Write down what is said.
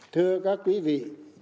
thưa các quý vị